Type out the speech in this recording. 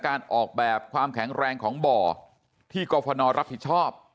การออกแบบความแข็งแรงของบ่อที่กรฟนรับผิดชอบ